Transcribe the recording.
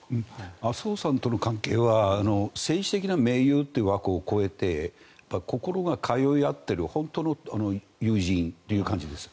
麻生さんとの関係は政治的な盟友という枠を超えて心が通い合っている本当の友人という感じです。